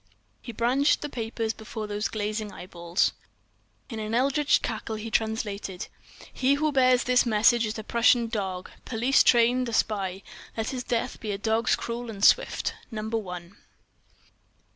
He brandished the papers before those glazing eyeballs. In an eldritch cackle he translated: _"'He who bears this message is a Prussian dog, police trained, a spy. Let his death be a dog's, cruel and swift.—Number One.